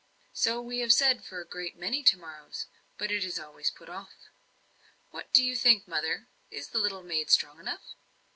"So we have said for a great many to morrows, but it is always put off. What do you think, mother is the little maid strong enough?"